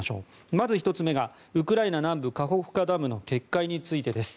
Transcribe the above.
まず１つ目がウクライナ南部のカホフカダムの決壊についてです。